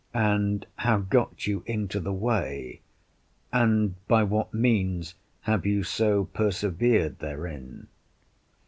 and, How got you into the way? and, By what means have you so persevered therein?